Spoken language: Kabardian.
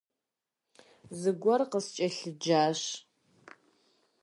Зыгуэр къыскӏэлъыджащ.